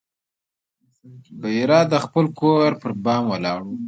بحیرا د خپل کور پر بام ولاړ و.